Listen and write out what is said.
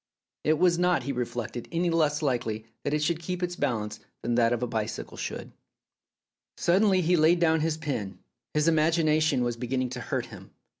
It was not, he reflected, any less likely that it should keep its balance than that a bicycle should. ... Suddenly he laid down his pen. His imagination was beginning to hurt him.